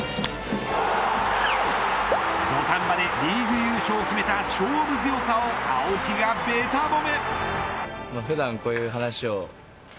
土壇場でリーグ優勝を決めた勝負強さを青木がべた褒め。